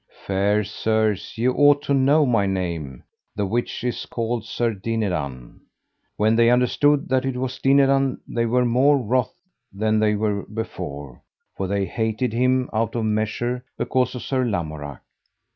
Fair sirs, ye ought to know my name, the which is called Sir Dinadan. When they understood that it was Dinadan they were more wroth than they were before, for they hated him out of measure because of Sir Lamorak.